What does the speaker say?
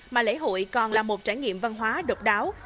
mà lễ hội còn là một trải nghiệm văn hóa độc đáo